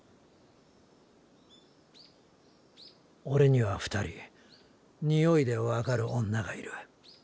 オレには２人においで分かる女がいる。